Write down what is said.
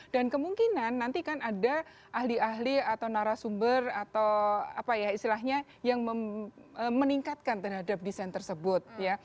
dan kemungkinan nanti kan ada ahli ahli atau narasumber atau apa ya istilahnya yang meningkatkan terhadap desain tersebut ya